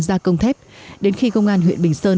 gia công thép đến khi công an huyện bình sơn